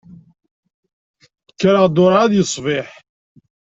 Kkreɣ-d ur εad yeṣbiḥ.